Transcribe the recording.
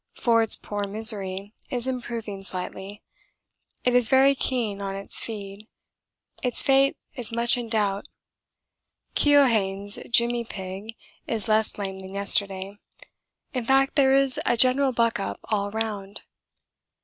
Forde's poor 'Misery' is improving slightly. It is very keen on its feed. Its fate is much in doubt. Keohane's 'Jimmy Pigg' is less lame than yesterday. In fact there is a general buck up all round.